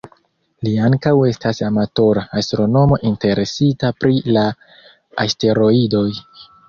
Li ankaŭ estas amatora astronomo interesita pri la asteroidoj.